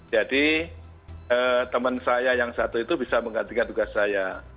jadi teman saya yang satu itu bisa menggantikan tugas saya